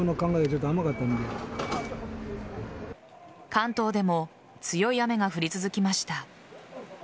関東でも強い雨が降り続きました。